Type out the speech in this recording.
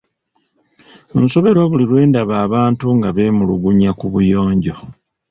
Nsoberwa buli lwe ndaba abantu nga beemulugunya ku buyonjo.